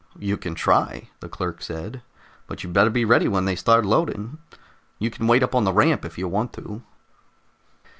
"You can try," the clerk said, "but you'd better be ready when they start loading. You can wait up on the ramp if you want to."